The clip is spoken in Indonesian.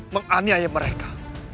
mengani ayah mereka